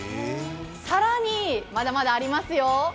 更に、まだまだありますよ。